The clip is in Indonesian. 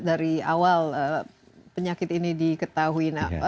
dari awal penyakit ini diketahui